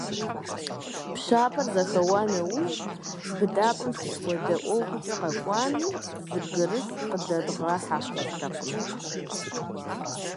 Пшапэр зэхэуа нэужь, быдапӀэм, сыт хуэдэ ӀуэхукӀэ къэкӀуами, зы бгырыс къыдэдгъэхьэртэкъым.